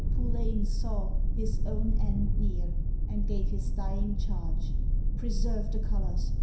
PULLEINE saw His own end near, and gave his dying charge: "Preserve the COLOURS!